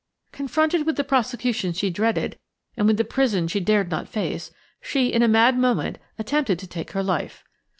Confronted with the prosecution she dreaded and with the prison she dared not face, she, in a mad moment, attempted to take her life."